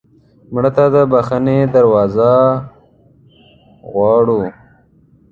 مړه ته د بښنې دروازه غواړو